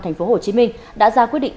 thành phố hồ chí minh đã ra quyết định